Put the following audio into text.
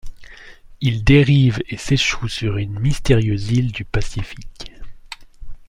Ils dérivent et s'échouent sur une mystérieuse île du Pacifique.